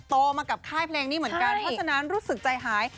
โตมากับค่ายเพลงนี้เหมือนกันเพราะฉะนั้นรู้สึกใจหาย